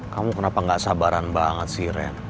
kamu kenapa gak sabaran banget sih ren